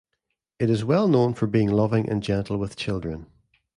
It is well known for being loving and gentle with children.